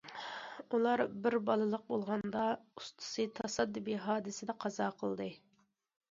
ئۇلار بىر بالىلىق بولغاندا ئۇستىسى تاسادىپىي ھادىسىدە قازا قىلدى.